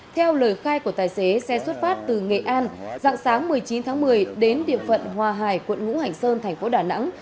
theo lời khai của tài xế xe xuất phát từ nghệ an dạng sáng một mươi chín tháng một mươi đến địa phận hòa hải quận ngũ hành sơn thành phố đà nẵng